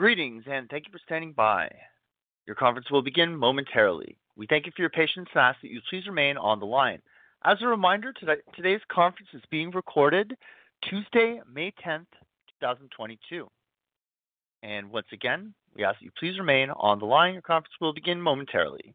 Greetings, and thank you for standing by. Your conference will begin momentarily. We thank you for your patience and ask that you please remain on the line. As a reminder, today's conference is being recorded. Tuesday, May 10th, 2022. Once again, we ask that you please remain on the line. Your conference will begin momentarily.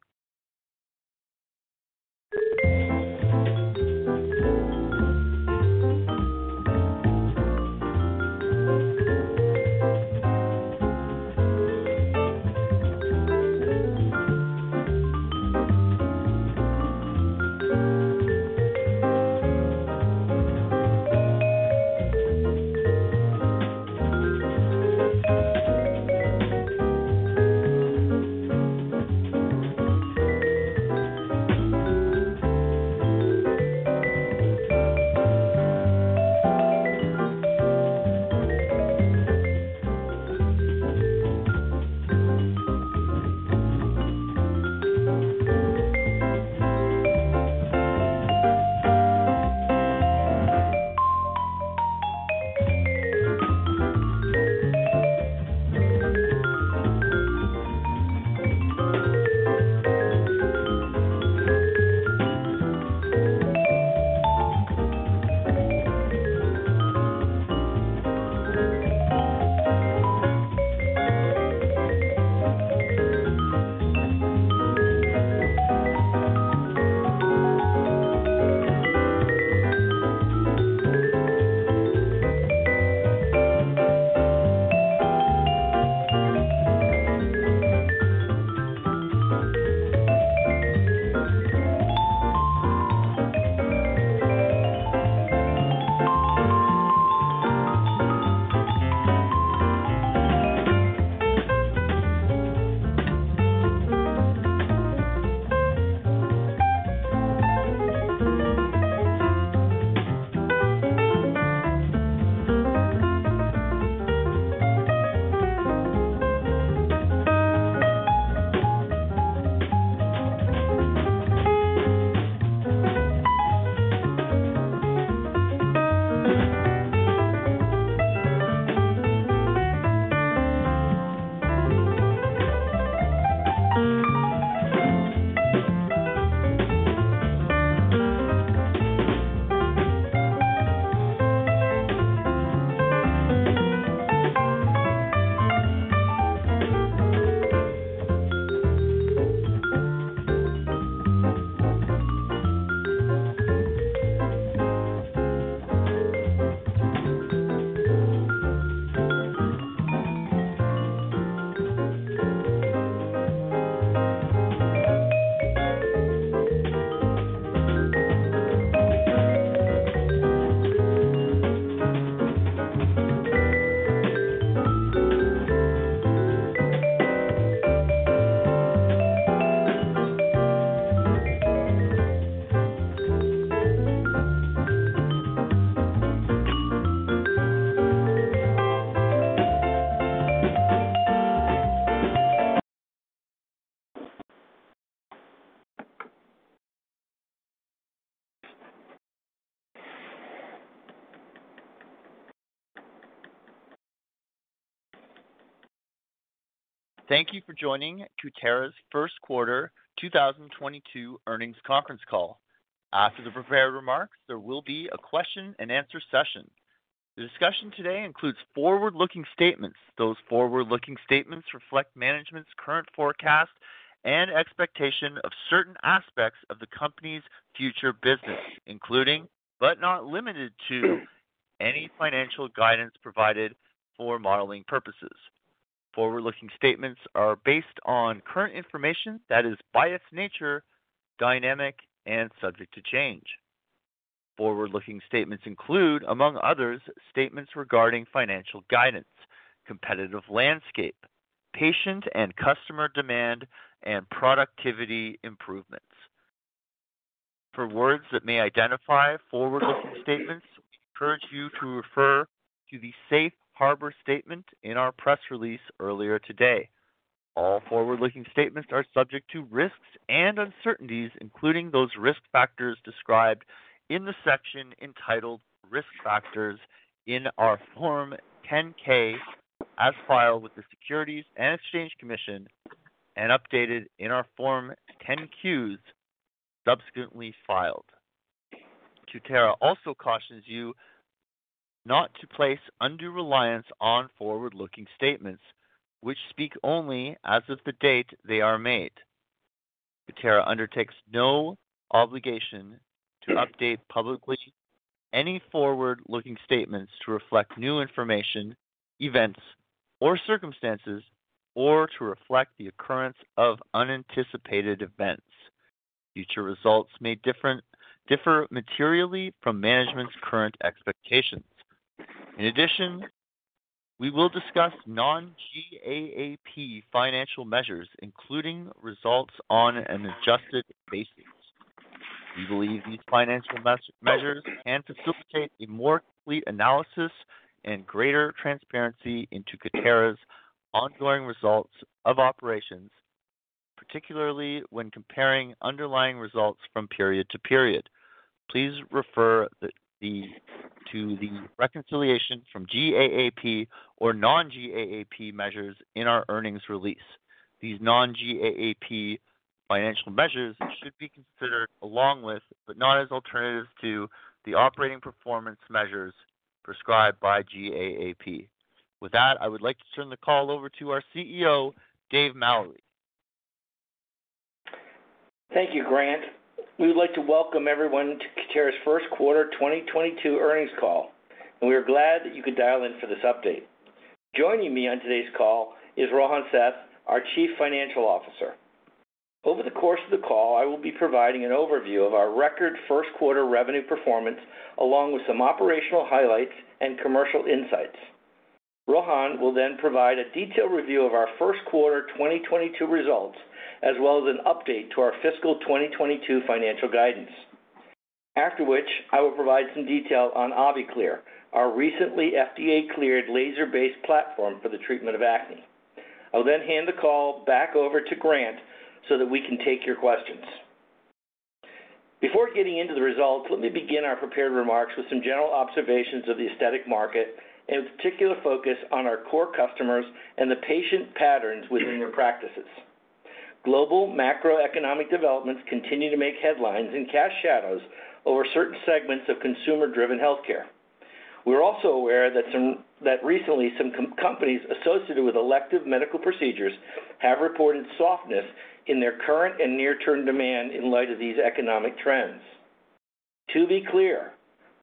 Thank you for joining Cutera's First Quarter 2022 Earnings Conference Call. After the prepared remarks, there will be a question-and-answer session. The discussion today includes forward-looking statements. Those forward-looking statements reflect management's current forecast and expectation of certain aspects of the company's future business, including, but not limited to, any financial guidance provided for modeling purposes. Forward-looking statements are based on current information that is, by its nature, dynamic and subject to change. Forward-looking statements include, among others, statements regarding financial guidance, competitive landscape, patient and customer demand, and productivity improvements. For words that may identify forward-looking statements, we encourage you to refer to the safe harbor statement in our press release earlier today. All forward-looking statements are subject to risks and uncertainties, including those risk factors described in the section entitled Risk Factors in our Form 10-K as filed with the Securities and Exchange Commission and updated in our Form 10-Qs subsequently filed. Cutera also cautions you not to place undue reliance on forward-looking statements which speak only as of the date they are made. Cutera undertakes no obligation to update publicly any forward-looking statements to reflect new information, events or circumstances, or to reflect the occurrence of unanticipated events. Future results may differ materially from management's current expectations. In addition, we will discuss non-GAAP financial measures, including results on an adjusted basis. We believe these financial measures can facilitate a more complete analysis and greater transparency into Cutera's ongoing results of operations. Particularly when comparing underlying results from period-to-period. Please refer to the reconciliation from GAAP to non-GAAP measures in our earnings release. These non-GAAP financial measures should be considered along with, but not as an alternative to the operating performance measures prescribed by GAAP. With that, I would like to turn the call over to our CEO, Dave Mowry. Thank you, Grant. We would like to welcome everyone to Cutera's First Quarter 2022 Earnings Call. We are glad that you could dial in for this update. Joining me on today's call is Rohan Seth, our Chief Financial Officer. Over the course of the call, I will be providing an overview of our record first quarter revenue performance, along with some operational highlights and commercial insights. Rohan will then provide a detailed review of our first quarter 2022 results, as well as an update to our fiscal 2022 financial guidance. After which, I will provide some detail on AviClear, our recently FDA-cleared laser-based platform for the treatment of acne. I'll then hand the call back over to Grant so that we can take your questions. Before getting into the results, let me begin our prepared remarks with some general observations of the aesthetic market, and particular focus on our core customers and the patient patterns within their practices. Global macroeconomic developments continue to make headlines and cast shadows over certain segments of consumer-driven healthcare. We're also aware that recently, some companies associated with elective medical procedures have reported softness in their current and near-term demand in light of these economic trends. To be clear,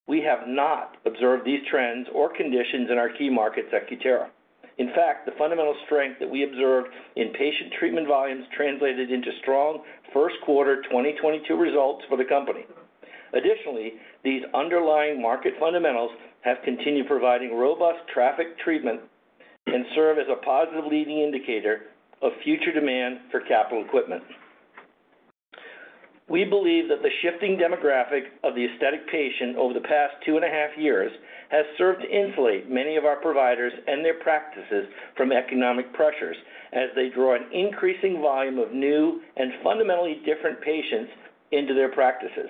we have not observed these trends or conditions in our key markets at Cutera. In fact, the fundamental strength that we observed in patient treatment volumes translated into strong first quarter 2022 results for the company. Additionally, these underlying market fundamentals have continued providing robust traffic treatment and serve as a positive leading indicator of future demand for capital equipment. We believe that the shifting demographic of the aesthetic patient over the past two and a half years has served to insulate many of our providers and their practices from economic pressures as they draw an increasing volume of new and fundamentally different patients into their practices.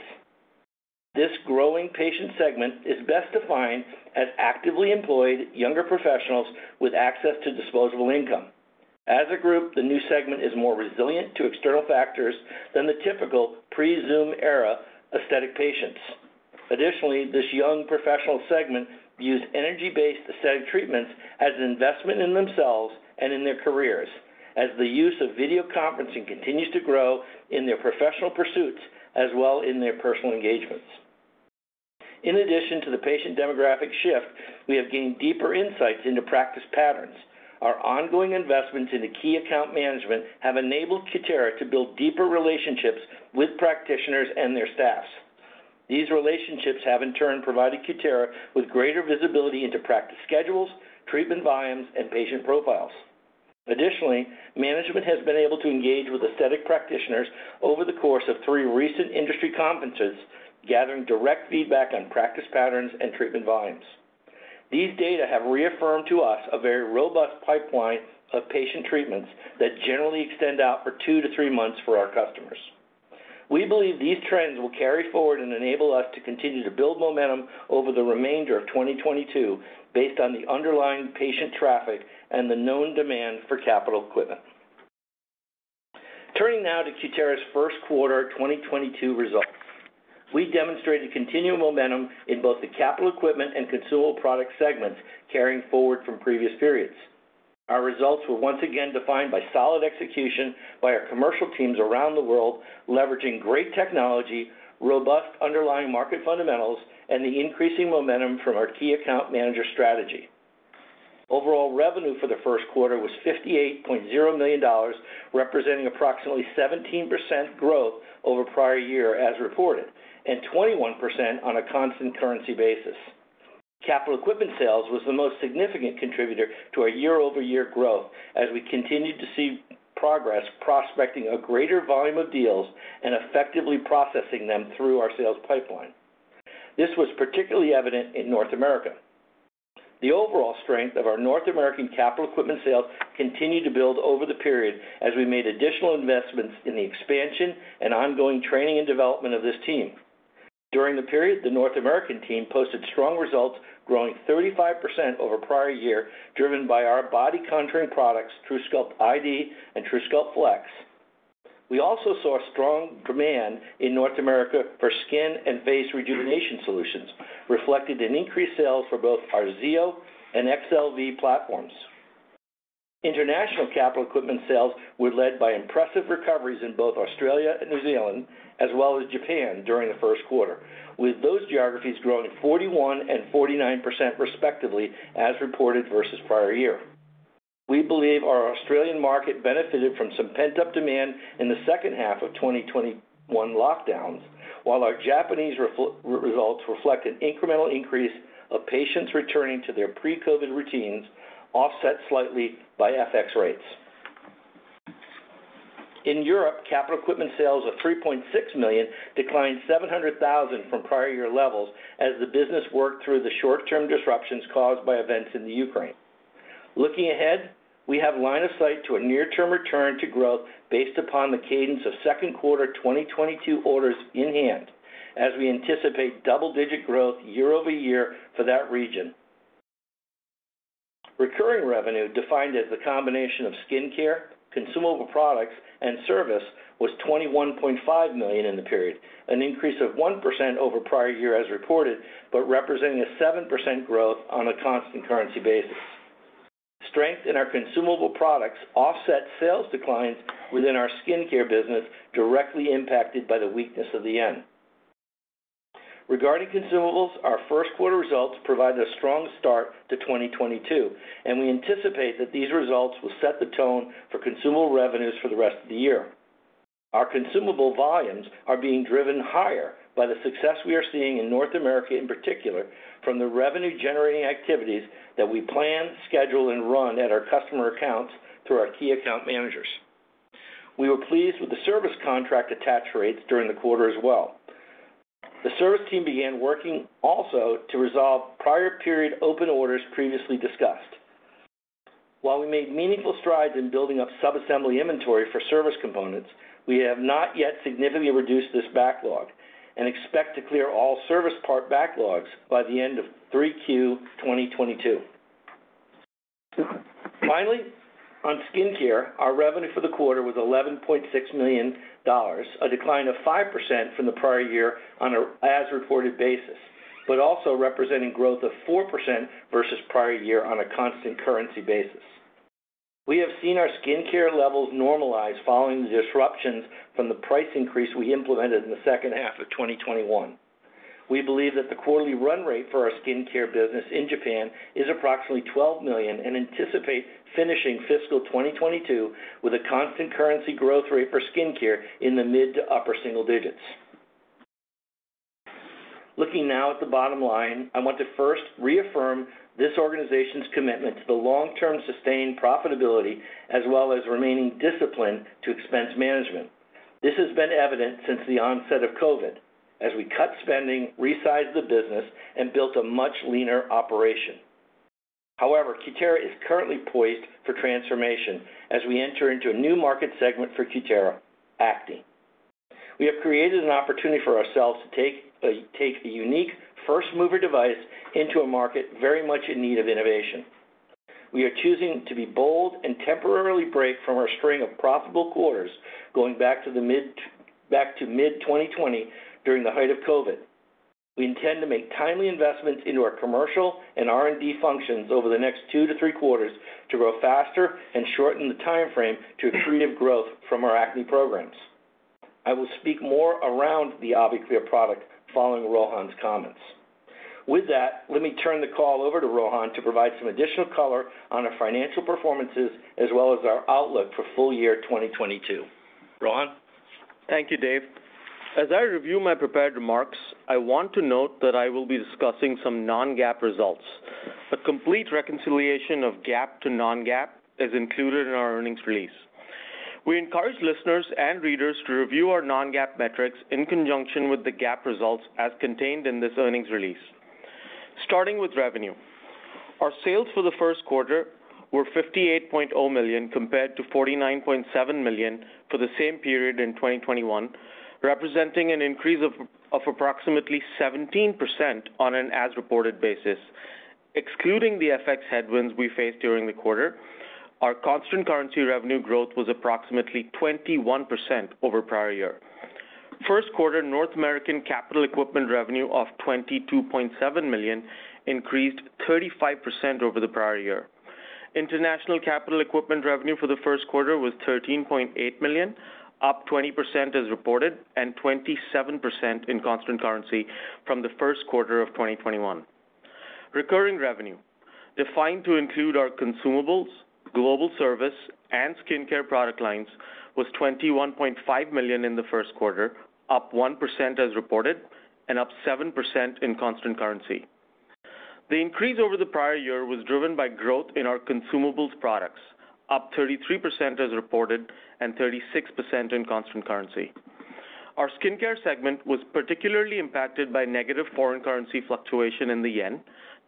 This growing patient segment is best defined as actively employed younger professionals with access to disposable income. As a group, the new segment is more resilient to external factors than the typical pre-Zoom era aesthetic patients. Additionally, this young professional segment views energy-based aesthetic treatments as an investment in themselves and in their careers, as the use of video conferencing continues to grow in their professional pursuits as well in their personal engagements. In addition to the patient demographic shift, we have gained deeper insights into practice patterns. Our ongoing investments into key account management have enabled Cutera to build deeper relationships with practitioners and their staffs. These relationships have in turn provided Cutera with greater visibility into practice schedules, treatment volumes, and patient profiles. Additionally, management has been able to engage with aesthetic practitioners over the course of three recent industry conferences, gathering direct feedback on practice patterns and treatment volumes. These data have reaffirmed to us a very robust pipeline of patient treatments that generally extend out for two to three months for our customers. We believe these trends will carry forward and enable us to continue to build momentum over the remainder of 2022 based on the underlying patient traffic and the known demand for capital equipment. Turning now to Cutera's first quarter 2022 results. We demonstrated continual momentum in both the capital equipment and consumable product segments carrying forward from previous periods. Our results were once again defined by solid execution by our commercial teams around the world, leveraging great technology, robust underlying market fundamentals, and the increasing momentum from our key account manager strategy. Overall revenue for the first quarter was $58.0 million, representing approximately 17% growth over prior year as reported, and 21% on a constant currency basis. Capital equipment sales was the most significant contributor to our year-over-year growth as we continued to see progress prospecting a greater volume of deals and effectively processing them through our sales pipeline. This was particularly evident in North America. The overall strength of our North American capital equipment sales continued to build over the period as we made additional investments in the expansion and ongoing training and development of this team. During the period, the North American team posted strong results growing 35% over prior year, driven by our body contouring products, truSculpt iD and truSculpt flex. We also saw strong demand in North America for skin and face rejuvenation solutions, reflected in increased sales for both our xeo and excel V platforms. International capital equipment sales were led by impressive recoveries in both Australia and New Zealand, as well as Japan during the first quarter, with those geographies growing 41% and 49% respectively as reported versus prior year. We believe our Australian market benefited from some pent-up demand in the second half of 2021 lockdowns, while our Japanese results reflect an incremental increase of patients returning to their pre-COVID routines offset slightly by FX rates. In Europe, capital equipment sales of $3.6 million declined $700,000 from prior-year levels as the business worked through the short-term disruptions caused by events in the Ukraine. Looking ahead, we have line of sight to a near-term return to growth based upon the cadence of second quarter 2022 orders in hand as we anticipate double-digit growth year-over-year for that region. Recurring revenue, defined as the combination of skincare, consumable products, and service, was $21.5 million in the period, an increase of 1% over prior year as reported, but representing a 7% growth on a constant currency basis. Strength in our consumable products offset sales declines within our skincare business directly impacted by the weakness of the yen. Regarding consumables, our first quarter results provided a strong start to 2022, and we anticipate that these results will set the tone for consumable revenues for the rest of the year. Our consumable volumes are being driven higher by the success we are seeing in North America, in particular, from the revenue-generating activities that we plan, schedule, and run at our customer accounts through our key account managers. We were pleased with the service contract attach rates during the quarter as well. The service team began working also to resolve prior-period open orders previously discussed. While we made meaningful strides in building up subassembly inventory for service components, we have not yet significantly reduced this backlog and expect to clear all service part backlogs by the end of 3Q 2022. Finally, on skincare, our revenue for the quarter was $11.6 million, a decline of 5% from the prior year on an as-reported basis, but also representing growth of 4% versus prior year on a constant currency basis. We have seen our skincare levels normalize following the disruptions from the price increase we implemented in the second half of 2021. We believe that the quarterly run rate for our skincare business in Japan is approximately $12 million and anticipate finishing fiscal 2022 with a constant currency growth rate for skincare in the mid- to upper-single-digits. Looking now at the bottom line, I want to first reaffirm this organization's commitment to the long-term sustained profitability as well as remaining disciplined to expense management. This has been evident since the onset of COVID as we cut spending, resized the business, and built a much leaner operation. However, Cutera is currently poised for transformation as we enter into a new market segment for Cutera, acne. We have created an opportunity for ourselves to take a unique first-mover device into a market very much in need of innovation. We are choosing to be bold and temporarily break from our string of profitable quarters going back to mid-2020 during the height of COVID. We intend to make timely investments into our commercial and R&D functions over the next two to three quarters to grow faster and shorten the timeframe to accretive growth from our acne programs. I will speak more around the AviClear product following Rohan's comments. With that, let me turn the call over to Rohan to provide some additional color on our financial performances as well as our outlook for full year 2022. Rohan? Thank you, Dave. As I review my prepared remarks, I want to note that I will be discussing some non-GAAP results. A complete reconciliation of GAAP to non-GAAP is included in our earnings release. We encourage listeners and readers to review our non-GAAP metrics in conjunction with the GAAP results as contained in this earnings release. Starting with revenue. Our sales for the first quarter were $58.0 million compared to $49.7 million for the same period in 2021, representing an increase of approximately 17% on an as-reported basis. Excluding the FX headwinds we faced during the quarter, our constant currency revenue growth was approximately 21% over prior year. First quarter North American capital equipment revenue of $22.7 million increased 35% over the prior year. International capital equipment revenue for the first quarter was $13.8 million, up 20% as reported and 27% in constant currency from the first quarter of 2021. Recurring revenue, defined to include our consumables, global service, and skincare product lines, was $21.5 million in the first quarter, up 1% as reported and up 7% in constant currency. The increase over the prior year was driven by growth in our consumables products, up 33% as reported and 36% in constant currency. Our skincare segment was particularly impacted by negative foreign currency fluctuation in the yen,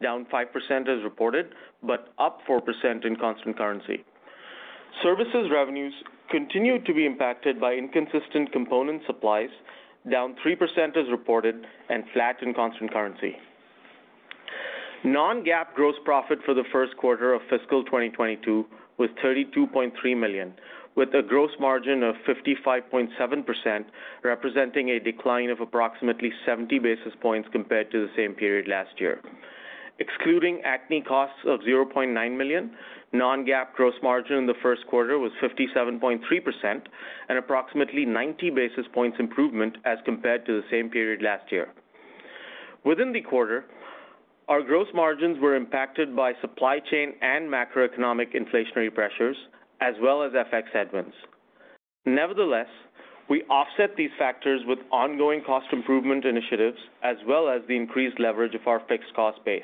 down 5% as reported, but up 4% in constant currency. Services revenues continued to be impacted by inconsistent component supplies, down 3% as reported and flat in constant currency. Non-GAAP gross profit for the first quarter of fiscal 2022 was $32.3 million, with a gross margin of 55.7%, representing a decline of approximately 70 basis points compared to the same period last year. Excluding acne costs of $0.9 million, non-GAAP gross margin in the first quarter was 57.3% and approximately 90 basis points improvement as compared to the same period last year. Within the quarter, our gross margins were impacted by supply chain and macroeconomic inflationary pressures, as well as FX headwinds. Nevertheless, we offset these factors with ongoing cost improvement initiatives as well as the increased leverage of our fixed cost base.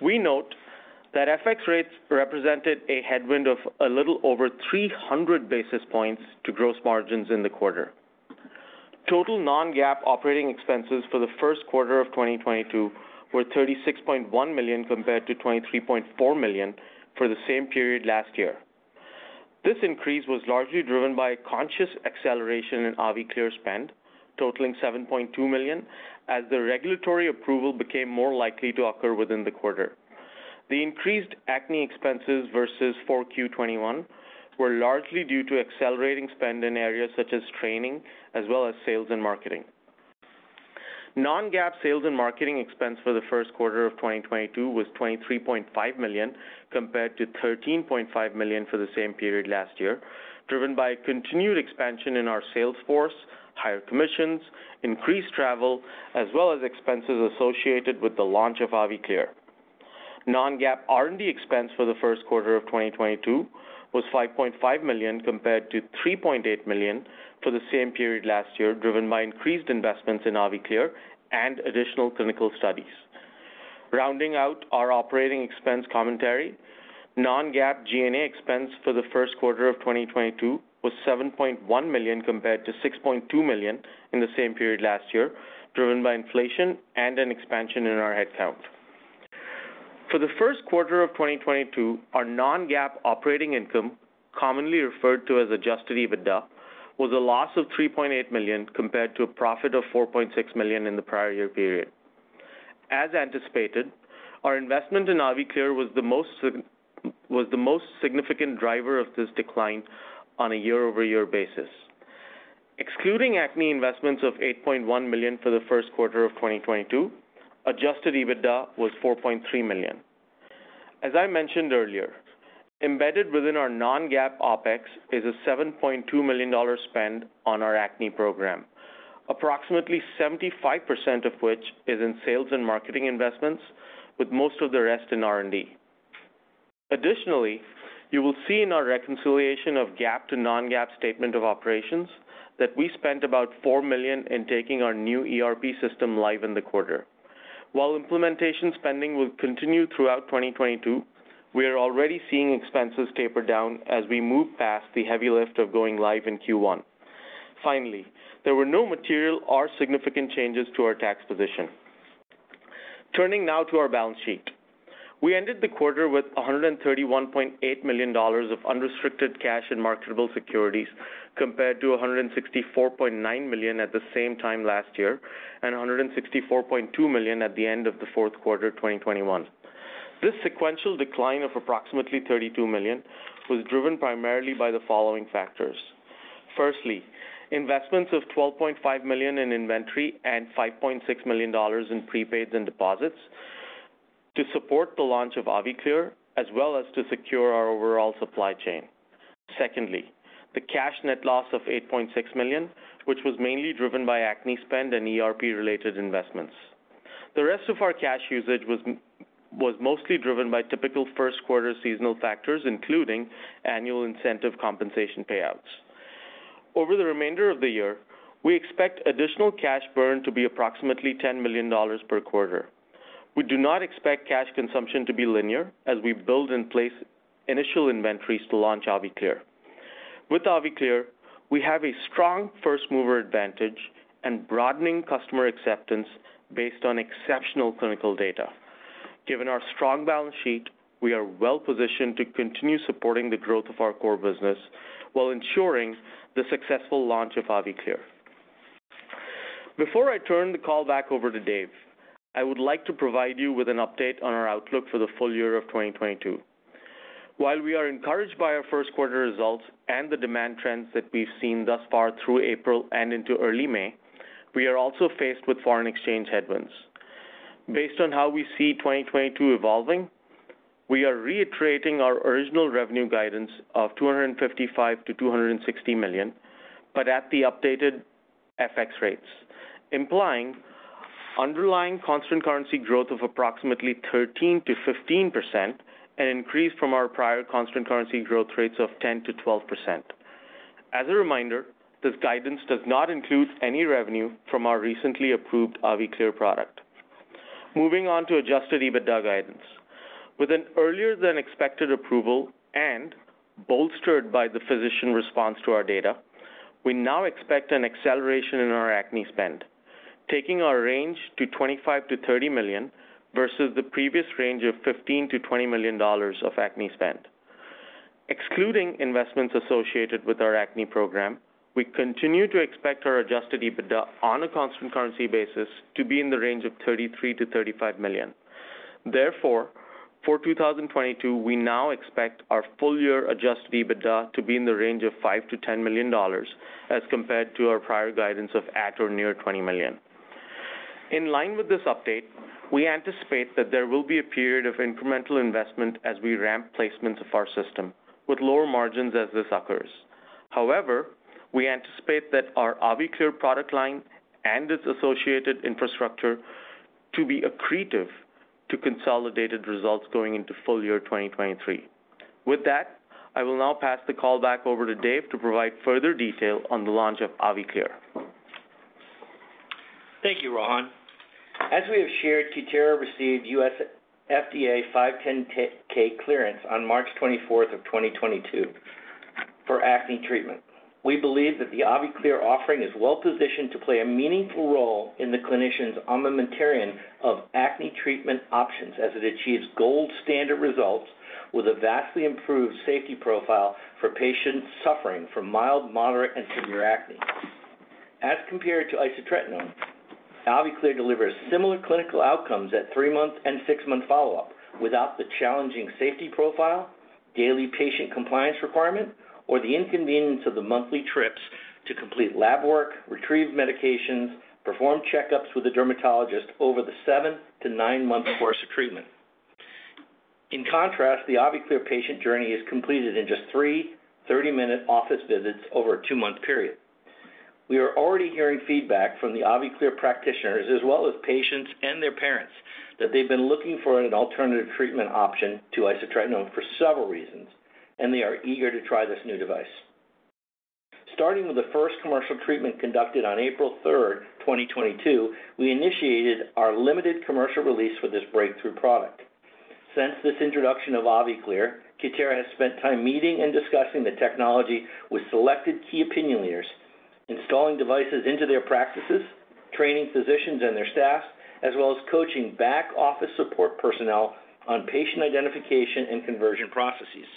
We note that FX rates represented a headwind of a little over 300 basis points to gross margins in the quarter. Total non-GAAP operating expenses for the first quarter of 2022 were $36.1 million compared to $23.4 million for the same period last year. This increase was largely driven by a conscious acceleration in AviClear spend, totaling $7.2 million, as the regulatory approval became more likely to occur within the quarter. The increased acne expenses versus 4Q 2021 were largely due to accelerating spend in areas such as training as well as sales and marketing. Non-GAAP sales and marketing expense for the first quarter of 2022 was $23.5 million compared to $13.5 million for the same period last year, driven by continued expansion in our sales force, higher commissions, increased travel, as well as expenses associated with the launch of AviClear. Non-GAAP R&D expense for the first quarter of 2022 was $5.5 million compared to $3.8 million for the same period last year, driven by increased investments in AviClear and additional clinical studies. Rounding out our operating expense commentary, non-GAAP G&A expense for the first quarter of 2022 was $7.1 million compared to $6.2 million in the same period last year, driven by inflation and an expansion in our headcount. For the first quarter of 2022, our non-GAAP operating income, commonly referred to as adjusted EBITDA, was a loss of $3.8 million compared to a profit of $4.6 million in the prior-year period. As anticipated, our investment in AviClear was the most significant driver of this decline on a year-over-year basis. Excluding acne investments of $8.1 million for the first quarter of 2022, adjusted EBITDA was $4.3 million. As I mentioned earlier, embedded within our non-GAAP OpEx is a $7.2 million spend on our acne program, approximately 75% of which is in sales and marketing investments, with most of the rest in R&D. Additionally, you will see in our reconciliation of GAAP to non-GAAP statement of operations that we spent about $4 million in taking our new ERP system live in the quarter. While implementation spending will continue throughout 2022, we are already seeing expenses taper down as we move past the heavy lift of going live in Q1. Finally, there were no material or significant changes to our tax position. Turning now to our balance sheet. We ended the quarter with $131.8 million of unrestricted cash and marketable securities compared to $164.9 million at the same time last year and $164.2 million at the end of the fourth quarter of 2021. This sequential decline of approximately $32 million was driven primarily by the following factors. Firstly, investments of $12.5 million in inventory and $5.6 million in prepaids and deposits to support the launch of AviClear, as well as to secure our overall supply chain. Secondly, the cash net loss of $8.6 million, which was mainly driven by acne spend and ERP-related investments. The rest of our cash usage was mostly driven by typical first quarter seasonal factors, including annual incentive compensation payouts. Over the remainder of the year, we expect additional cash burn to be approximately $10 million per quarter. We do not expect cash consumption to be linear as we build in place initial inventories to launch AviClear. With AviClear, we have a strong first-mover advantage and broadening customer acceptance based on exceptional clinical data. Given our strong balance sheet, we are well-positioned to continue supporting the growth of our core business while ensuring the successful launch of AviClear. Before I turn the call back over to Dave, I would like to provide you with an update on our outlook for the full year of 2022. While we are encouraged by our first quarter results and the demand trends that we've seen thus far through April and into early May, we are also faced with foreign exchange headwinds. Based on how we see 2022 evolving, we are reiterating our original revenue guidance of $255 million-$260 million, but at the updated FX rates, implying underlying constant currency growth of approximately 13%-15%, an increase from our prior constant currency growth rates of 10%-12%. As a reminder, this guidance does not include any revenue from our recently approved AviClear product. Moving on to adjusted EBITDA guidance. With an earlier-than-expected approval and bolstered by the physician response to our data, we now expect an acceleration in our acne spend, taking our range to $25 million-$30 million versus the previous range of $15 million-$20 million of acne spend. Excluding investments associated with our acne program, we continue to expect our adjusted EBITDA on a constant currency basis to be in the range of $33 million-$35 million. Therefore, for 2022, we now expect our full-year adjusted EBITDA to be in the range of $5 million-$10 million as compared to our prior guidance of at-or-near $20 million. In line with this update, we anticipate that there will be a period of incremental investment as we ramp placements of our system with lower margins as this occurs. However, we anticipate that our AviClear product line and its associated infrastructure to be accretive to consolidated results going into full year 2023. With that, I will now pass the call back over to Dave to provide further detail on the launch of AviClear. Thank you, Rohan. As we have shared, Cutera received U.S. FDA 510(k) clearance on March 24th of 2022 for acne treatment. We believe that the AviClear offering is well positioned to play a meaningful role in the clinician's armamentarium of acne treatment options as it achieves gold standard results with a vastly improved safety profile for patients suffering from mild, moderate, and severe acne. As compared to isotretinoin, AviClear delivers similar clinical outcomes at three-month and six-month follow-up without the challenging safety profile, daily patient compliance requirement, or the inconvenience of the monthly trips to complete lab work, retrieve medications, perform checkups with a dermatologist over the seven to nine month course of treatment. In contrast, the AviClear patient journey is completed in just three 30-minute office visits over a two-month period. We are already hearing feedback from the AviClear practitioners as well as patients and their parents that they've been looking for an alternative treatment option to isotretinoin for several reasons, and they are eager to try this new device. Starting with the first commercial treatment conducted on April 3rd, 2022, we initiated our limited commercial release for this breakthrough product. Since this introduction of AviClear, Cutera has spent time meeting and discussing the technology with selected key opinion leaders, installing devices into their practices, training physicians and their staff, as well as coaching back office support personnel on patient identification and conversion processes.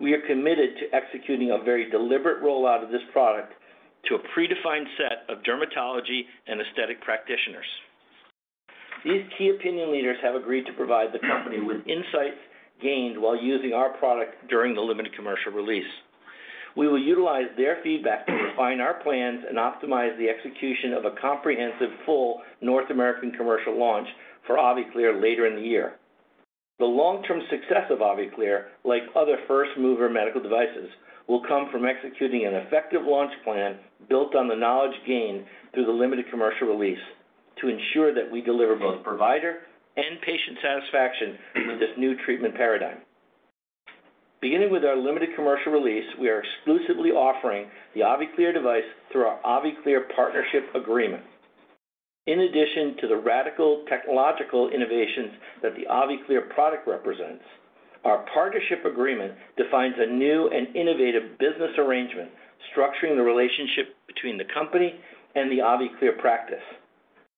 We are committed to executing a very deliberate rollout of this product to a predefined set of dermatology and aesthetic practitioners. These key opinion leaders have agreed to provide the company with insights gained while using our product during the limited commercial release. We will utilize their feedback to refine our plans and optimize the execution of a comprehensive full North American commercial launch for AviClear later in the year. The long-term success of AviClear, like other first-mover medical devices, will come from executing an effective launch plan built on the knowledge gained through the limited commercial release to ensure that we deliver both provider and patient satisfaction with this new treatment paradigm. Beginning with our limited commercial release, we are exclusively offering the AviClear device through our AviClear partnership agreement. In addition to the radical technological innovations that the AviClear product represents, our partnership agreement defines a new and innovative business arrangement structuring the relationship between the company and the AviClear practice.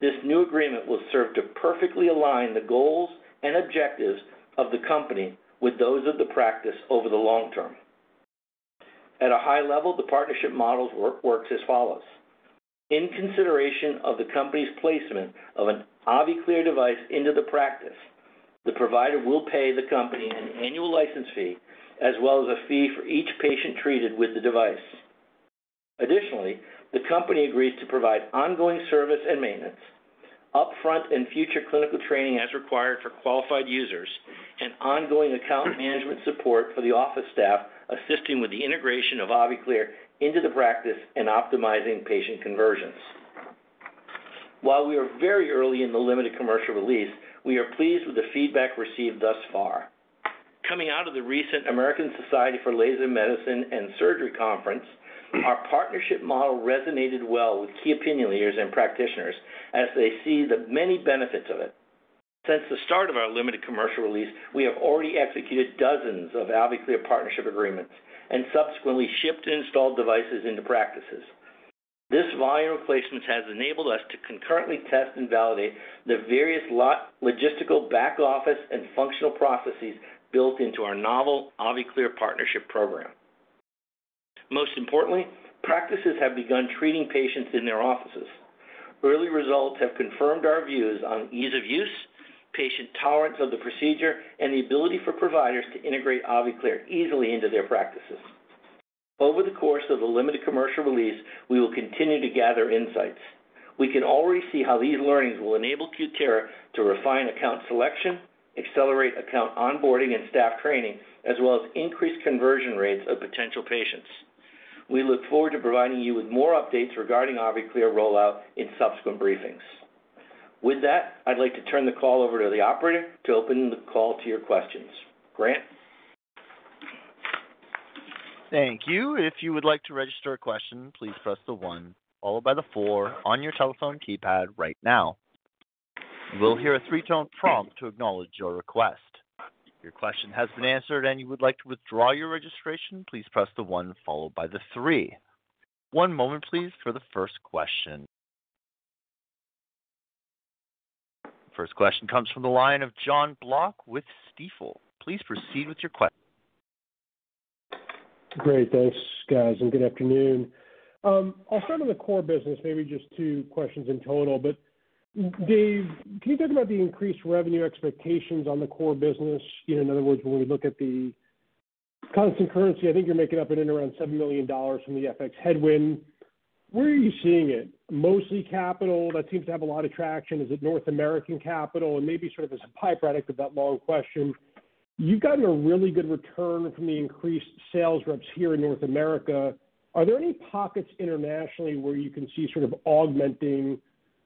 This new agreement will serve to perfectly align the goals and objectives of the company with those of the practice over the long term. At a high level, the partnership model works as follows. In consideration of the company's placement of an AviClear device into the practice, the provider will pay the company an annual license fee as well as a fee for each patient treated with the device. Additionally, the company agrees to provide ongoing service and maintenance, upfront and future clinical training as required for qualified users, and ongoing account management support for the office staff assisting with the integration of AviClear into the practice and optimizing patient conversions. While we are very early in the limited commercial release, we are pleased with the feedback received thus far. Coming out of the recent American Society for Laser Medicine and Surgery conference, our partnership model resonated well with key opinion leaders and practitioners as they see the many benefits of it. Since the start of our limited commercial release, we have already executed dozens of AviClear partnership agreements and subsequently shipped and installed devices into practices. This volume of placements has enabled us to concurrently test and validate the various logistical back office and functional processes built into our novel AviClear partnership program. Most importantly, practices have begun treating patients in their offices. Early results have confirmed our views on ease of use, patient tolerance of the procedure, and the ability for providers to integrate AviClear easily into their practices. Over the course of the limited commercial release, we will continue to gather insights. We can already see how these learnings will enable Cutera to refine account selection, accelerate account onboarding and staff training, as well as increase conversion rates of potential patients. We look forward to providing you with more updates regarding AviClear rollout in subsequent briefings. With that, I'd like to turn the call over to the operator to open the call to your questions. Grant? Thank you. If you would like to register a question, please press the one followed by the four on your telephone keypad right now. You will hear a three-tone prompt to acknowledge your request. If your question has been answered and you would like to withdraw your registration, please press the one followed by the three. One moment please for the first question. First question comes from the line of Jon Block with Stifel. Please proceed with your question. Great. Thanks, guys, and good afternoon. I'll start on the core business, maybe just two questions in total. Dave, can you talk about the increased revenue expectations on the core business? You know, in other words, when we look at the constant currency, I think you're making up for it in around $7 million from the FX headwind. Where are you seeing it? Mostly capital, that seems to have a lot of traction. Is it North American capital? And maybe sort of as a byproduct of that long question, you've gotten a really good return from the increased sales reps here in North America. Are there any pockets internationally where you can see sort of augmenting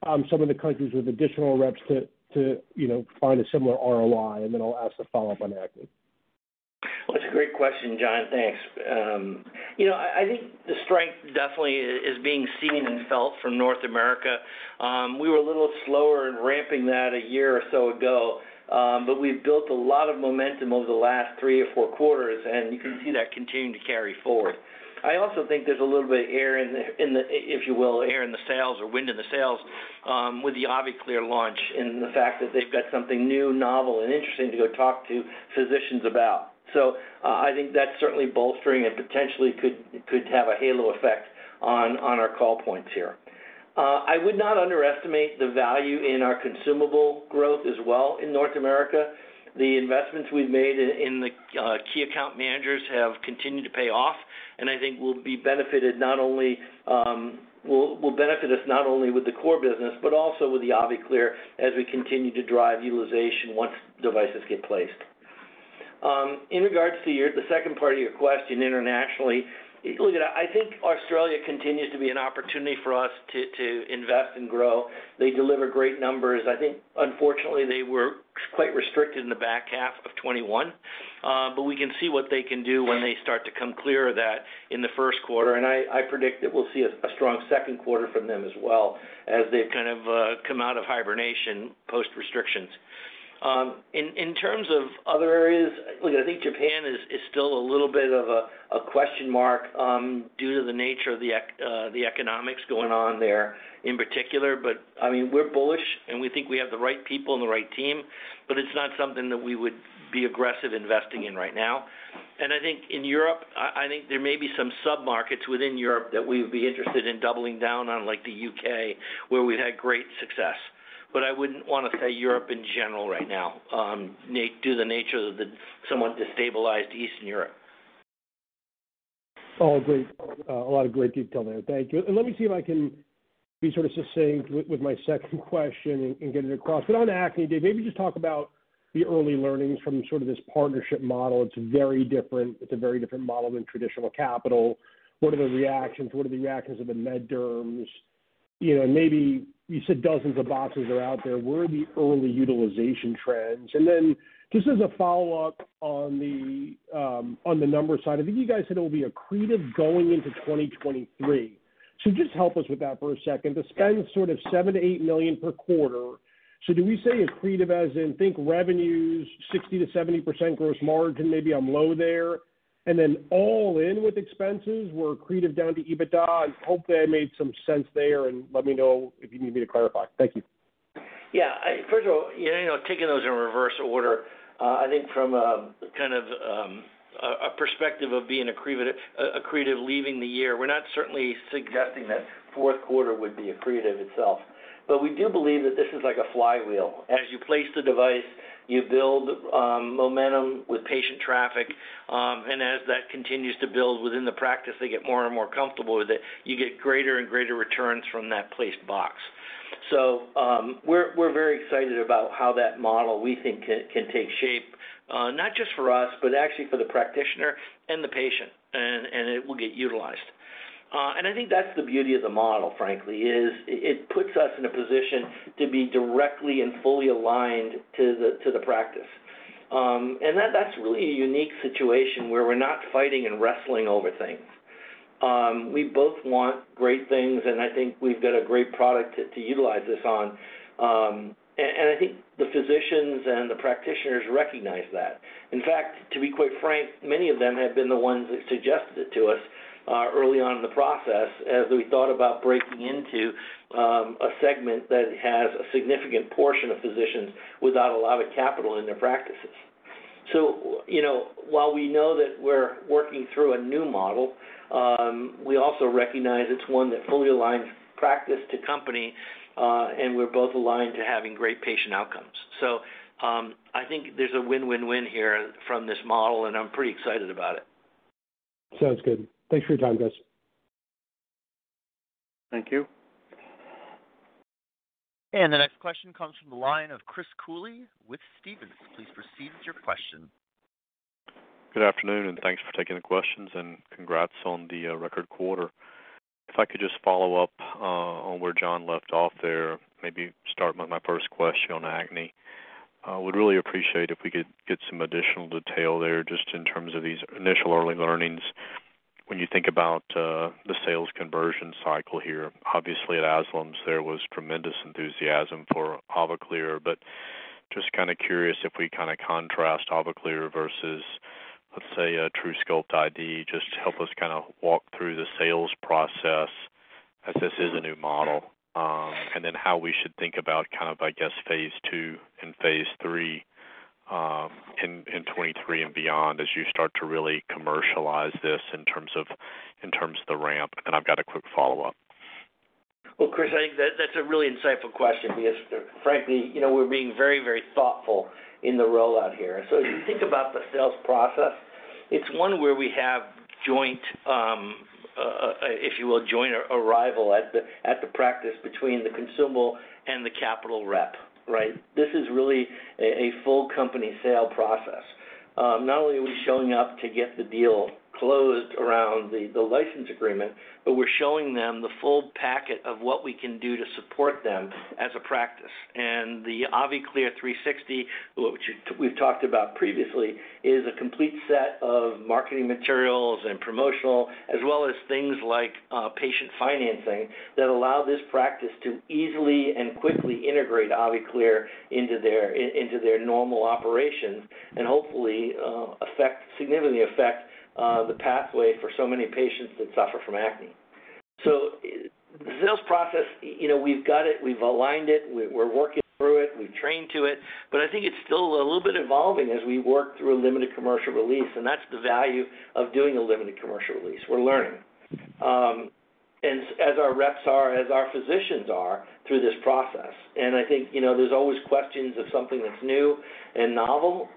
some of the countries with additional reps to, you know, find a similar ROI? And then I'll ask a follow-up on acne. Well, it's a great question, Jon. Thanks. You know, I think the strength definitely is being seen and felt from North America. We were a little slower in ramping that a year or so ago, but we've built a lot of momentum over the last three or four quarters, and you can see that continuing to carry forward. I also think there's a little bit of air in the sails or wind in the sails, if you will, with the AviClear launch and the fact that they've got something new, novel, and interesting to go talk to physicians about. I think that's certainly bolstering and potentially could have a halo effect on our call points here. I would not underestimate the value in our consumable growth as well in North America. The investments we've made in key account managers have continued to pay off, and I think it will benefit us not only with the core business but also with the AviClear as we continue to drive utilization once devices get placed. In regard to the second part of your question internationally, look, I think Australia continues to be an opportunity for us to invest and grow. They deliver great numbers. I think unfortunately, they were quite restricted in the back half of 2021. We can see what they can do when they start to come clear of that in the first quarter. I predict that we'll see a strong second quarter from them as well as they kind of come out of hibernation post restrictions. In terms of other areas, look, I think Japan is still a little bit of a question mark, due to the nature of the economics going on there in particular. I mean, we're bullish, and we think we have the right people and the right team, but it's not something that we would be aggressive investing in right now. I think in Europe, I think there may be some sub-markets within Europe that we would be interested in doubling down on, like the U.K., where we've had great success. I wouldn't wanna say Europe in general right now, due to the nature of the somewhat destabilized Eastern Europe. All great. A lot of great detail there. Thank you. Let me see if I can be sort of succinct with my second question and get it across. On acne, Dave, maybe just talk about the early learnings from sort of this partnership model. It's very different. It's a very different model than traditional capital. What are the reactions of the med derms? You know, maybe you said dozens of boxes are out there. What are the early utilization trends? Then just as a follow-up on the number side, I think you guys said it will be accretive going into 2023. Just help us with that for a second to spend sort of $7-$8 million per quarter. Do we say accretive as in think revenues 60%-70% gross margin, maybe I'm low there? Then all in with expenses were accretive down to EBITDA, and hopefully I made some sense there, and let me know if you need me to clarify. Thank you. Yeah, first of all, you know, taking those in reverse order, I think from a kind of perspective of being accretive leaving the year, we're certainly not suggesting that fourth quarter would be accretive itself. We do believe that this is like a flywheel. As you place the device, you build momentum with patient traffic, and as that continues to build within the practice, they get more and more comfortable with it. You get greater and greater returns from that placed box. We're very excited about how that model, we think can take shape, not just for us, but actually for the practitioner and the patient, and it will get utilized. I think that's the beauty of the model, frankly, is it puts us in a position to be directly and fully aligned to the practice. That's really a unique situation where we're not fighting and wrestling over things. We both want great things, and I think we've got a great product to utilize this on. I think the physicians and the practitioners recognize that. In fact, to be quite frank, many of them have been the ones that suggested it to us early on in the process as we thought about breaking into a segment that has a significant portion of physicians without a lot of capital in their practices. You know, while we know that we're working through a new model, we also recognize it's one that fully aligns practice to company, and we're both aligned to having great patient outcomes. I think there's a win-win-win here from this model, and I'm pretty excited about it. Sounds good. Thanks for your time, guys. Thank you. The next question comes from the line of Chris Cooley with Stephens. Please proceed with your question. Good afternoon, and thanks for taking the questions, and congrats on the record quarter. If I could just follow up on where John left off there, maybe start with my first question on acne. I would really appreciate if we could get some additional detail there just in terms of these initial early learnings when you think about the sales conversion cycle here. Obviously, at ASLMS, there was tremendous enthusiasm for AviClear, but just kinda curious if we kinda contrast AviClear versus, let's say, a truSculpt iD, just to help us kinda walk through the sales process as this is a new model. How we should think about kind of, I guess, phase II and phase III in 2023 and beyond as you start to really commercialize this in terms of the ramp. I've got a quick follow-up. Well, Chris, I think that that's a really insightful question because frankly, you know, we're being very, very thoughtful in the rollout here. If you think about the sales process, it's one where we have joint, if you will, joint arrival at the practice between the consumable and the capital rep, right? This is really a full company sale process. Not only are we showing up to get the deal closed around the license agreement, but we're showing them the full packet of what we can do to support them as a practice. The AviClear 360, which we've talked about previously, is a complete set of marketing materials and promotional, as well as things like patient financing that allow this practice to easily and quickly integrate AviClear into their normal operations, and hopefully significantly affect the pathway for so many patients that suffer from acne. The sales process, you know, we've got it, we've aligned it, we're working through it, we've trained to it, but I think it's still a little bit evolving as we work through a limited commercial release, and that's the value of doing a limited commercial release. We're learning as our reps are, as our physicians are through this process. I think, you know, there's always questions of something that's new and novel,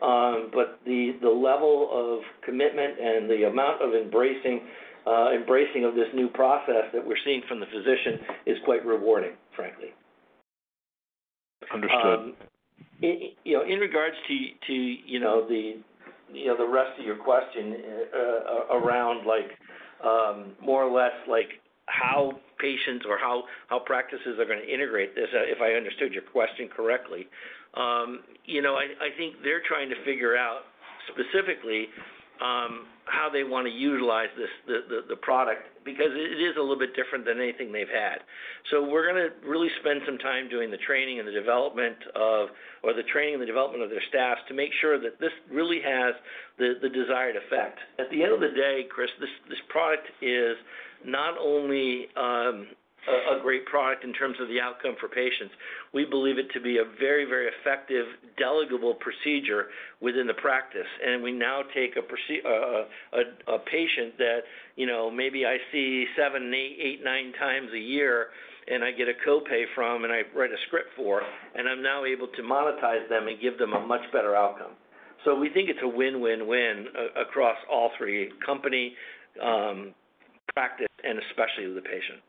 but the level of commitment and the amount of embracing of this new process that we're seeing from the physician is quite rewarding, frankly. Understood. You know, in regards to you know the rest of your question around like more or less like how practices are gonna integrate this, if I understood your question correctly, you know, I think they're trying to figure out specifically how they wanna utilize this the product, because it is a little bit different than anything they've had. We're gonna really spend some time doing the training and the development of their staff to make sure that this really has the desired effect. At the end of the day, Chris, this product is not only a great product in terms of the outcome for patients, we believe it to be a very effective delegable procedure within the practice. We now take a patient that, you know, maybe I see seven, eight, nine times a year, and I get a copay from, and I write a script for, and I'm now able to monetize them and give them a much better outcome. We think it's a win-win-win across all three: company, practice, and especially the patient.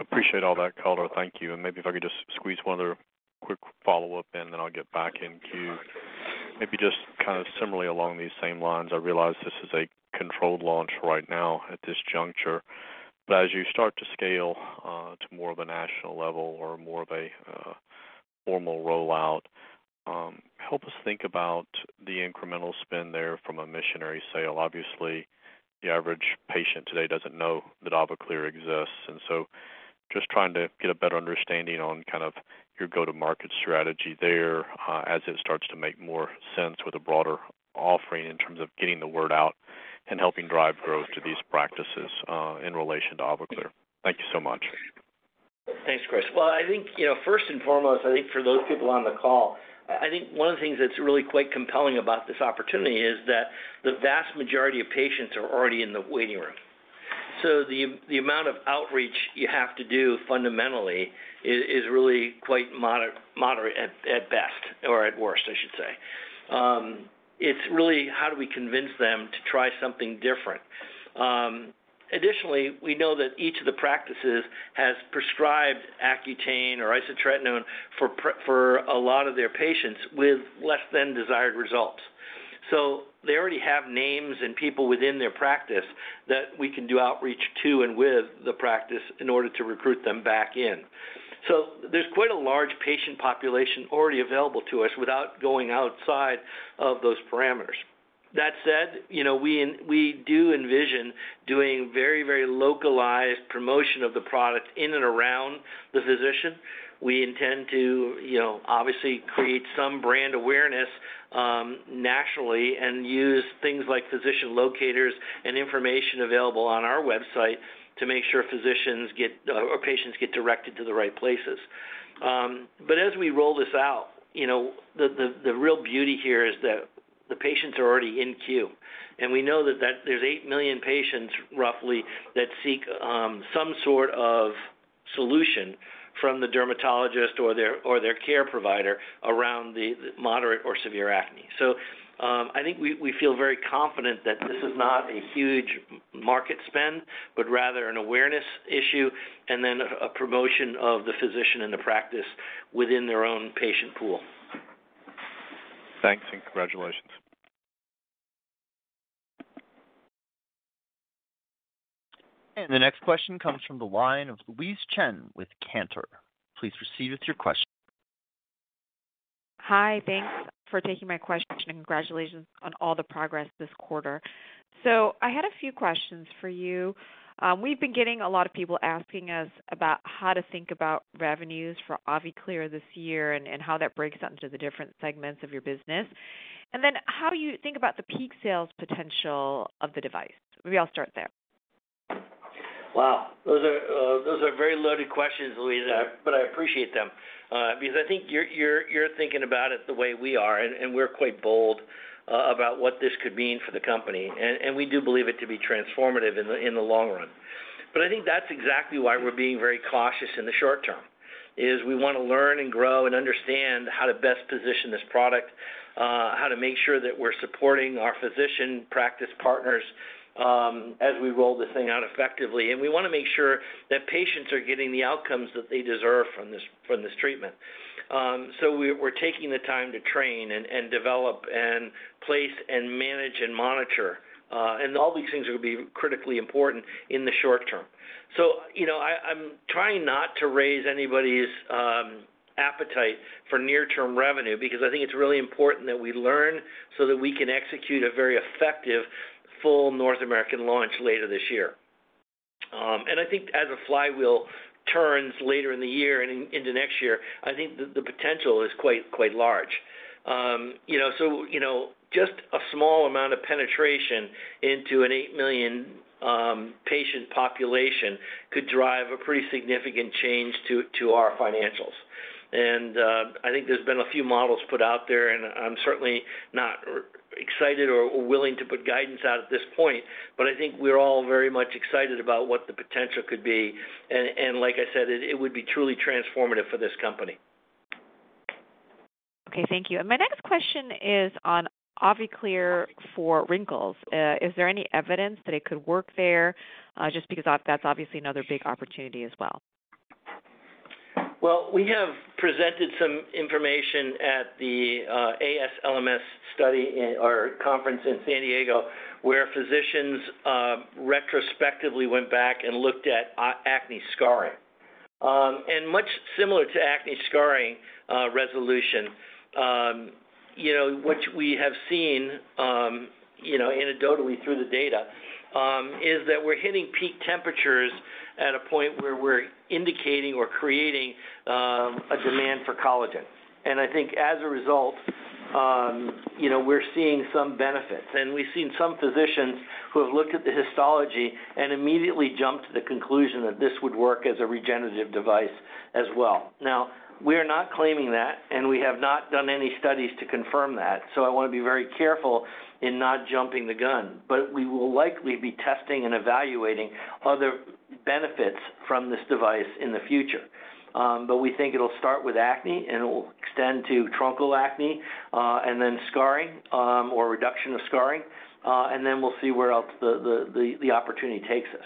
Appreciate all that color, thank you. Maybe if I could just squeeze one other quick follow-up in, then I'll get back in queue. Maybe just kind of similarly along these same lines, I realize this is a controlled launch right now at this juncture. As you start to scale to more of a national-level or more of a formal rollout, help us think about the incremental spend there from a missionary sale. Obviously, the average patient today doesn't know that AviClear exists. Just trying to get a better understanding on kind of your go-to-market strategy there, as it starts to make more sense with a broader offering in terms of getting the word out and helping drive growth to these practices, in relation to AviClear. Thank you so much. Thanks, Chris. Well, I think, you know, first and foremost, I think for those people on the call, I think one of the things that's really quite compelling about this opportunity is that the vast majority of patients are already in the waiting room. So the amount of outreach you have to do fundamentally is really quite moderate at best or at worst, I should say. It's really how do we convince them to try something different. Additionally, we know that each of the practices has prescribed Accutane or isotretinoin for a lot of their patients with less than desired results. So they already have names and people within their practice that we can do outreach to and with the practice in order to recruit them back in. There's quite a large patient population already available to us without going outside of those parameters. That said, you know, we do envision doing very, very localized promotion of the product in and around the physician. We intend to, you know, obviously create some brand awareness nationally and use things like physician locators and information available on our website to make sure physicians get, or patients get directed to the right places. As we roll this out, you know, the real beauty here is that the patients are already in queue. We know that there's 8 million patients roughly that seek some sort of solution from the dermatologist or their care provider around the moderate or severe acne. I think we feel very confident that this is not a huge market spend, but rather an awareness issue and then a promotion of the physician and the practice within their own patient pool. Thanks and congratulations. The next question comes from the line of Louise Chen with Cantor. Please proceed with your question. Hi. Thanks for taking my question, and congratulations on all the progress this quarter. I had a few questions for you. We've been getting a lot of people asking us about how to think about revenues for AviClear this year and how that breaks out into the different segments of your business. Then how you think about the peak sales potential of the device? Maybe I'll start there. Wow. Those are very loaded questions, Louise, but I appreciate them, because I think you're thinking about it the way we are, and we're quite bold about what this could mean for the company. We do believe it to be transformative in the long run. I think that's exactly why we're being very cautious in the short term, is we wanna learn and grow and understand how to best position this product, how to make sure that we're supporting our physician practice partners, as we roll this thing out effectively. We wanna make sure that patients are getting the outcomes that they deserve from this treatment. We're taking the time to train and develop and place and manage and monitor, and all these things are gonna be critically important in the short term. You know, I'm trying not to raise anybody's appetite for near-term revenue because I think it's really important that we learn so that we can execute a very effective full North American launch later this year. I think as the flywheel turns later in the year and into next year, I think the potential is quite large. You know, just a small amount of penetration into an 8 million patient population could drive a pretty significant change to our financials. I think there's been a few models put out there, and I'm certainly not excited or willing to put guidance out at this point, but I think we're all very much excited about what the potential could be. Like I said, it would be truly transformative for this company. Okay, thank you. My next question is on AviClear for wrinkles. Is there any evidence that it could work there? Just because that's obviously another big opportunity as well. Well, we have presented some information at the ASLMS study or conference in San Diego, where physicians retrospectively went back and looked at acne scarring. Much similar to acne scarring resolution, you know, which we have seen anecdotally through the data, is that we're hitting peak temperatures at a point where we're indicating or creating a demand for collagen. I think as a result, you know, we're seeing some benefits. We've seen some physicians who have looked at the histology and immediately jumped to the conclusion that this would work as a regenerative device as well. Now, we are not claiming that, and we have not done any studies to confirm that, so I wanna be very careful in not jumping the gun. We will likely be testing and evaluating other benefits from this device in the future. We think it'll start with acne, and it will extend to truncal acne, and then scarring, or reduction of scarring, and then we'll see where else the opportunity takes us.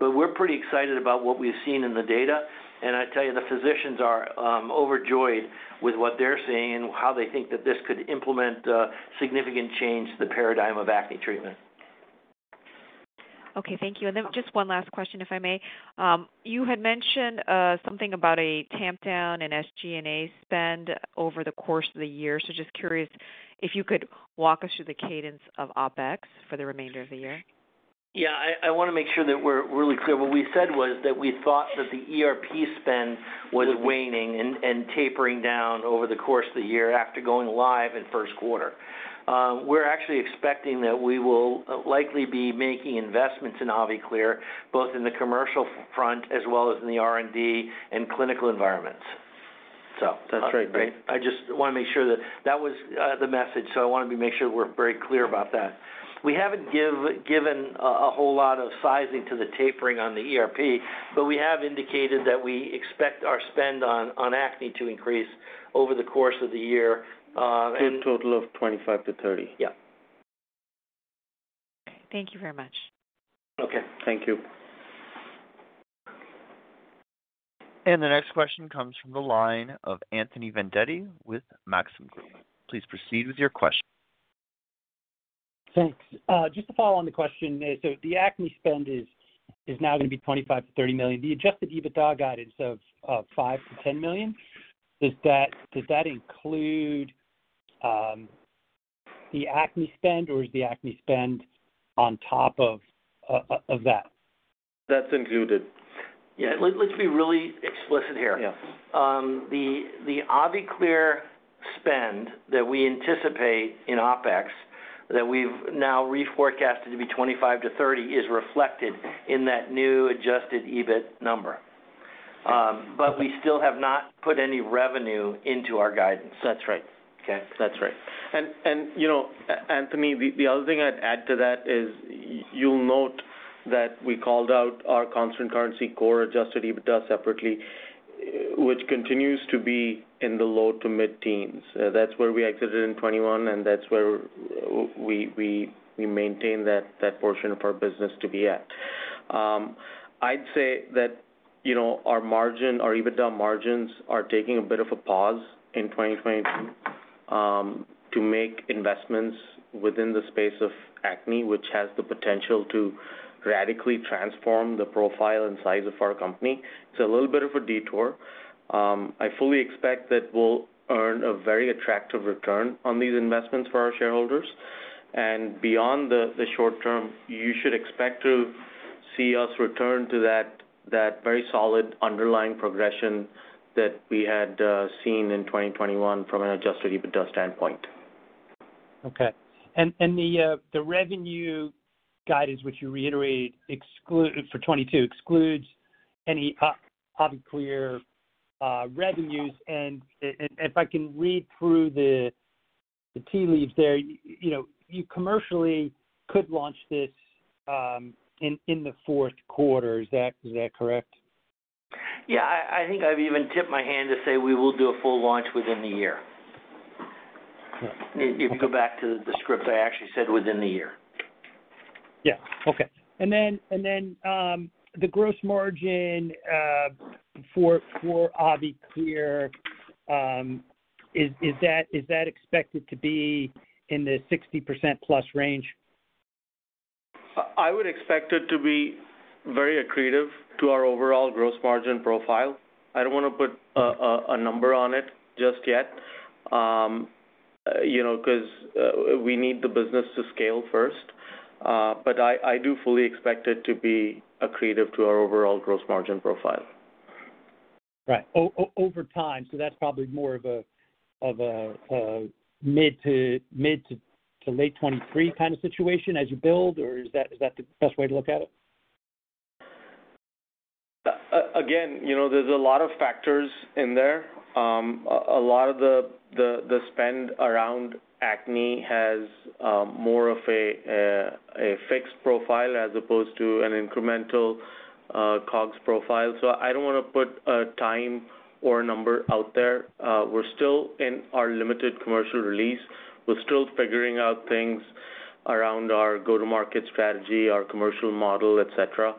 We're pretty excited about what we've seen in the data, and I tell you, the physicians are overjoyed with what they're seeing and how they think that this could implement a significant change to the paradigm of acne treatment. Okay, thank you. Just one last question, if I may. You had mentioned something about a tamp down in SG&A spend over the course of the year. Just curious if you could walk us through the cadence of OpEx for the remainder of the year. Yeah. I wanna make sure that we're really clear. What we said was that we thought that the ERP spend was waning and tapering down over the course of the year after going live in first quarter. We're actually expecting that we will likely be making investments in AviClear, both in the commercial front as well as in the R&D and clinical environments. That's right. I just wanna make sure that that was the message, so I wanted to make sure we're very clear about that. We haven't given a whole lot of sizing to the tapering on the ERP, but we have indicated that we expect our spend on acne to increase over the course of the year. To a total of 25-30. Yeah. Thank you very much. Okay. Thank you. The next question comes from the line of Anthony Vendetti with Maxim Group. Please proceed with your question. Thanks. Just to follow on the question, the acne spend is now gonna be $25-$30 million. The adjusted EBITDA guidance of $5-$10 million, does that include the acne spend, or is the acne spend on top of that? That's included. Yeah. Let's be really explicit here. Yeah. The AviClear spend that we anticipate in OpEx that we've now reforecasted to be $25-$30 is reflected in that new adjusted EBIT number. We still have not put any revenue into our guidance. That's right. Okay. That's right. You know, Anthony, the other thing I'd add to that is you'll note that we called out our constant currency core adjusted EBITDA separately, which continues to be in the low- to mid-teens. That's where we exited in 2021, and that's where we maintain that portion of our business to be at. I'd say that, you know, our margin, our EBITDA margins are taking a bit of a pause in 2022, to make investments within the space of acne, which has the potential to radically transform the profile and size of our company. It's a little bit of a detour. I fully expect that we'll earn a very attractive return on these investments for our shareholders. Beyond the short term, you should expect to see us return to that very solid underlying progression that we had seen in 2021 from an adjusted EBITDA standpoint. Okay. The revenue guidance, which you reiterated for 2022, excludes any AviClear revenues. If I can read through the tea leaves there, you know, you commercially could launch this in the fourth quarter. Is that correct? Yeah, I think I've even tipped my hand to say we will do a full launch within the year. Okay. If you go back to the script, I actually said within the year. Yeah. Okay. The gross margin for AviClear is that expected to be in the 60%+ range? I would expect it to be very accretive to our overall gross margin profile. I don't wanna put a number on it just yet, you know, 'cause we need the business to scale first. I do fully expect it to be accretive to our overall gross margin profile. Right. Over time, so that's probably more of a mid- to late-2023 kind of situation as you build, or is that the best way to look at it? Again, you know, there's a lot of factors in there. A lot of the spend around acne has more of a fixed profile as opposed to an incremental COGS profile. I don't wanna put a time or a number out there. We're still in our limited commercial release. We're still figuring out things around our go-to-market strategy, our commercial model, et cetera.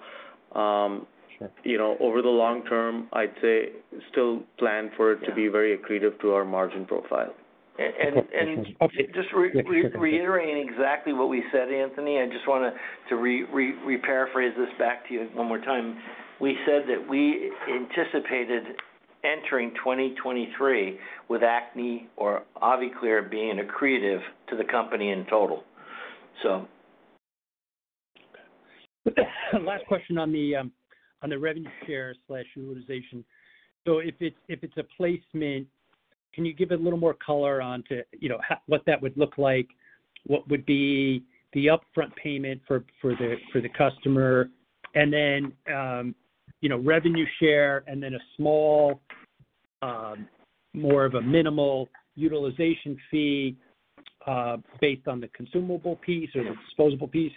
Sure. You know, over the long term, I'd say still plan for it. Yeah. To be very accretive to our margin profile. Okay. Just reiterating exactly what we said, Anthony, I just wanna to rephrase this back to you one more time. We said that we anticipated entering 2023 with acne or AviClear being accretive to the company in total, so. Last question on the revenue share/utilization. If it's a placement, can you give a little more color on what that would look like? What would be the upfront payment for the customer, and then revenue share, and then a small more of a minimal utilization fee based on the consumable piece or the disposable piece?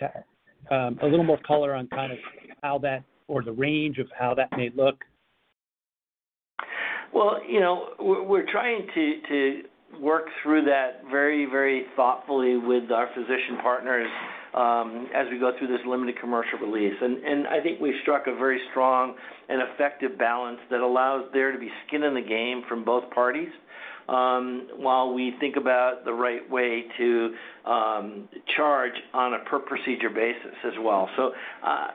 A little more color on kind of how that or the range of how that may look. Well, you know, we're trying to work through that very thoughtfully with our physician partners, as we go through this limited commercial release. I think we've struck a very strong and effective balance that allows there to be skin in the game from both parties, while we think about the right way to charge on a per procedure basis as well.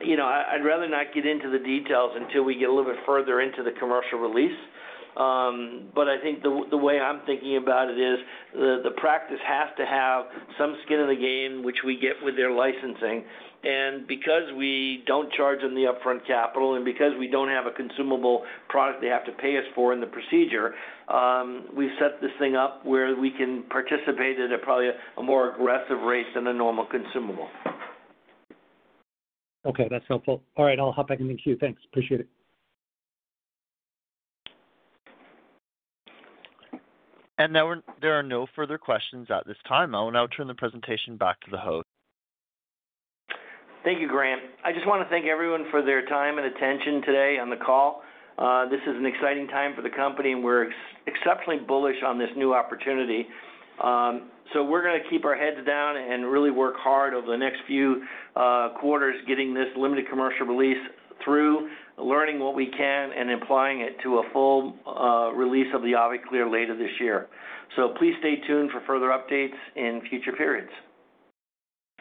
You know, I'd rather not get into the details until we get a little bit further into the commercial release. I think the way I'm thinking about it is the practice has to have some skin in the game, which we get with their licensing. Because we don't charge them the upfront capital and because we don't have a consumable product they have to pay us for in the procedure, we've set this thing up where we can participate at a probably more aggressive rate than a normal consumable. Okay, that's helpful. All right, I'll hop back in the queue. Thanks. Appreciate it. There are no further questions at this time. I will now turn the presentation back to the host. Thank you, Grant. I just wanna thank everyone for their time and attention today on the call. This is an exciting time for the company, and we're exceptionally bullish on this new opportunity. We're gonna keep our heads down and really work hard over the next few quarters getting this limited commercial release through, learning what we can, and applying it to a full release of the AviClear later this year. Please stay tuned for further updates in future periods.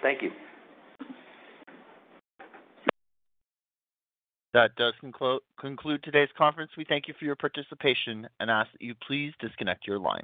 Thank you. That does conclude today's conference. We thank you for your participation and ask that you please disconnect your line.